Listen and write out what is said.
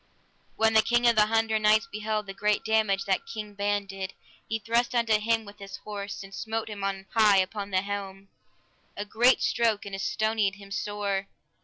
When the King of the Hundred Knights beheld the great damage that King Ban did, he thrust unto him with his horse, and smote him on high upon the helm, a great stroke, and astonied him sore.